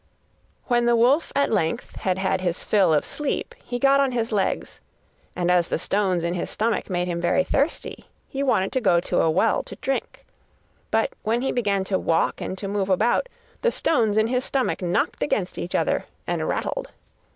When the wolf at length had had his fill of sleep, he got on his legs, and as the stones in his stomach made him very thirsty, he wanted to go to a well to drink. But when he began to walk and to move about, the stones in his stomach knocked against each other and rattled.